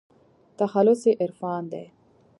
تخلص يې عرفان دى.